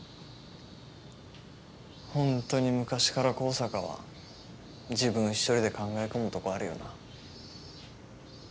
本当に昔から向坂は自分一人で考え込むとこあるよな。